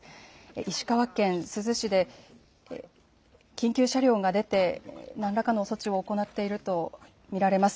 石川県珠洲市で緊急車両が出て、何らかの措置を行っていると見られます。